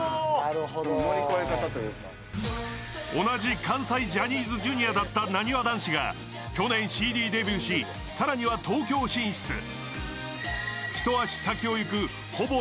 同じ関西ジャニーズＪｒ．だったなにわ男子が去年ＣＤデビューし、更には東京進出。